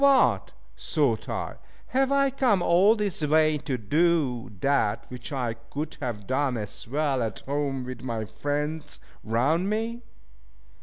What! thought I, have I come all this way to do that which I could have done as well at home with my friends round me!